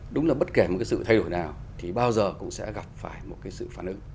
đúng là bất kể một cái sự thay đổi nào thì bao giờ cũng sẽ gặp phải một cái sự phản ứng